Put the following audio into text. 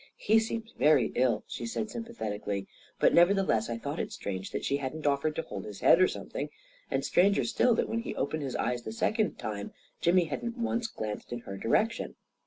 " He seems very ill," she said, sympathetically; but nevertheless I thought it strange that she hadn't offered to hold his head, or something ; and stranger still that, when he opened his eyes the second time, Jimmy hadn't once glanced in her direction.